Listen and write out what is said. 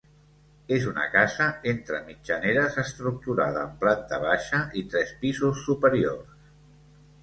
És una casa entre mitjaneres estructurada en planta baixa i tres pisos superiors.